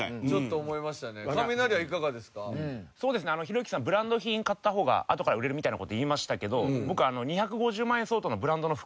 ひろゆきさんブランド品買った方があとから売れるみたいな事言いましたけど僕２５０万円相当のブランドの服